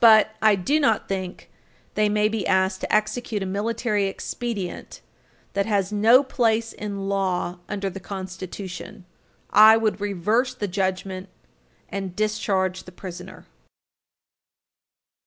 But I do not think they may be asked to execute a military expedient that has no place in law under the Constitution. I would reverse the judgment and discharge the prisoner.